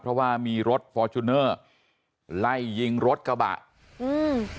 เพราะว่ามีรถฟอร์จูเนอร์ไล่ยิงรถกระบะอืม